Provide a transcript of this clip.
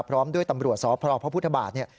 พร้อมด้วยตำรวจสพพพฤษฐบาท